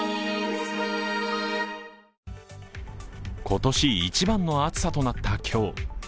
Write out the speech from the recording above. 今年一番の暑さとなった今日。